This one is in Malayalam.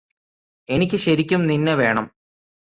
എനിക്ക് ശരിക്കും നിന്നെ വേണം